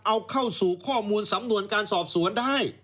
เอาเข้าสู่ข้อมูลสำนวนการสอบสวนได้